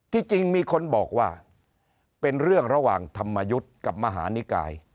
จริงมีคนบอกว่าเป็นเรื่องระหว่างธรรมยุทธ์กับมหานิกาย